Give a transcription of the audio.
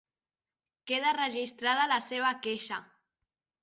Queda registrada la seva queixa.